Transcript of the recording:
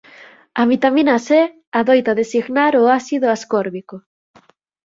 A vitamina C adoita designar o ácido ascórbico.